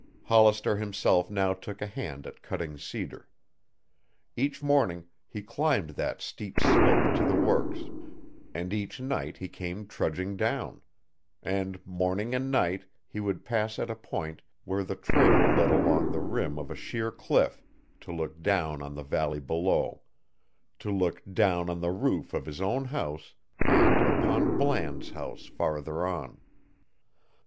Hollister himself now took a hand at cutting cedar. Each morning he climbed that steep slope to the works, and each night he came trudging down; and morning and night he would pause at a point where the trail led along the rim of a sheer cliff, to look down on the valley below, to look down on the roof of his own house and upon Bland's house farther on.